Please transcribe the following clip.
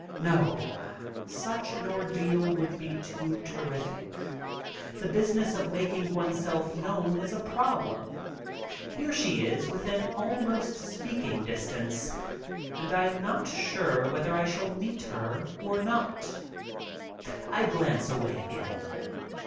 No, such an ordeal would be too terrific. The business of making one self known is a problem. Here she is within almost speaking distance and I am not sure whether I shall meet her or not. I glance away again.